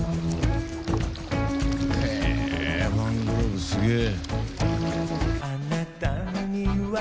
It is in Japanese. へぇマングローブすげえ。